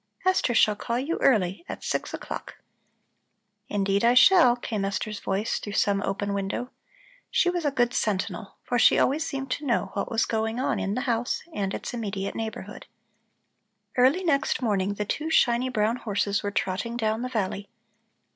"Esther shall call you early, at six o'clock." "Indeed, I shall," came Esther's voice through some open window. She was a good sentinel, for she always seemed to know what was going on in the house and its immediate neighborhood. Early next morning the two shiny brown horses were trotting down the valley.